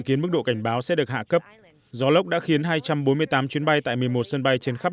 kiến mức độ cảnh báo sẽ được hạ cấp gió lốc đã khiến hai trăm bốn mươi tám chuyến bay tại một mươi một sân bay trên khắp